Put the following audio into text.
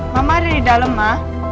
mama ada di dalam ma